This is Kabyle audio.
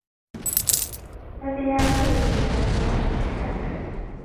Ad iɛawed ad d-yesɛeddi aneccaf.